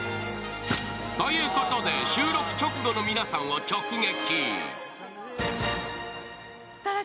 ということで収録直後の皆さんを直撃！